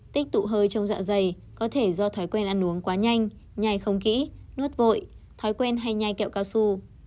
tích tụ hơi trong dạ dày có thể do thói quen ăn uống quá nhanh nhạy không kỹ nướt vội thói quen hay nhai kẹo cao su